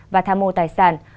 và tham mô tài sản